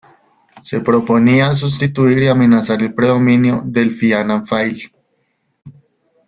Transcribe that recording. Se proponía sustituir y amenazar el predominio del Fianna Fáil.